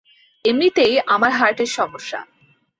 এমনিতেই আমার হার্টের সমস্যা।